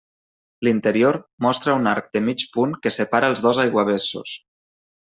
L’interior mostra un arc de mig punt que separa els dos aiguavessos.